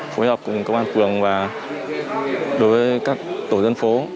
phối hợp cùng công an phường và đối với các tổ dân phố